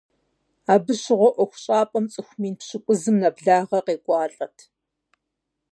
Абы щыгъуэ ӏуэхущӏапӏэм цӏыху мин пщыкӏузым нэблагъэ къекӏуалӏэрт.